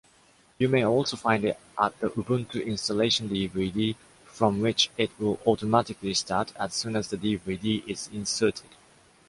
You may also find it at the Ubuntu installation DVD, from which it will automatically start as soon as the DVD is inserted.